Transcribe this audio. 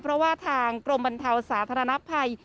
เพราะว่าทางกรมบรรเทาสาธารณภัย